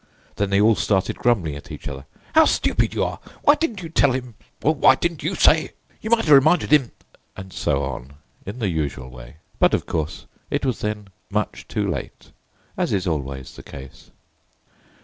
Then they all started grumbling at each other. "How stupid you are! Why didn't you tell him——" "Well, why didn't you say——" "You might have reminded him——" and so on, in the usual way; but, of course, it was then much too late, as is always the case.